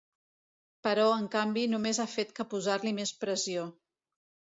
Però, en canvi, només ha fet que posar-li més pressió.